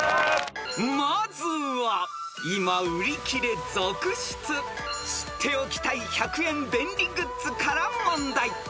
［まずは今売り切れ続出知っておきたい１００円便利グッズから問題］